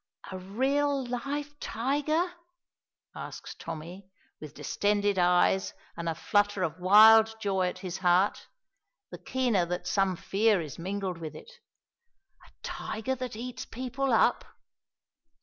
"A real live tiger?" asks Tommy, with distended eyes and a flutter of wild joy at his heart, the keener that some fear is mingled with it. "A tiger that eats people up?"